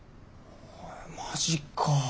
マジかあ。